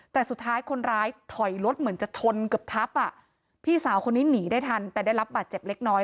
แต่สุดท้ายคนร้ายถอยรถเหมือนจะชนเกือบทับอ่ะพี่สาวคนนี้หนีได้ทันแต่ได้รับบาดเจ็บเล็กน้อย